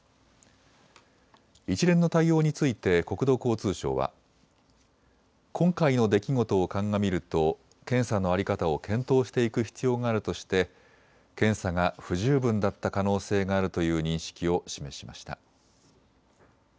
一連の対応について国土交通省は今回の出来事を鑑みると検査の在り方を検討していく必要があるとして検査が不十分だった可能性があるという認識を示しました。